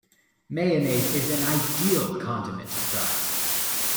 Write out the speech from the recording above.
Mayonnaise is an ideal condiment to Fries.